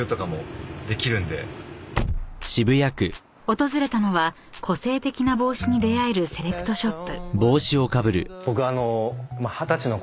［訪れたのは個性的な帽子に出合えるセレクトショップ］